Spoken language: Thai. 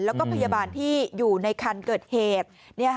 แล้วก็พยาบาลที่อยู่ในคันเกิดเหตุ